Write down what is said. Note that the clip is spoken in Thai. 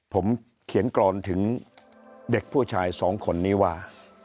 ผมเขียนกรอนถึงเด็กผู้ชายสองคนนี้ว่า